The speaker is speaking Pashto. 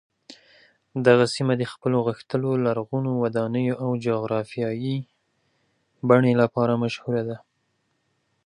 دغه سیمه د خپلو غښتلو لرغونو ودانیو او جغرافیايي بڼې لپاره مشهوره ده.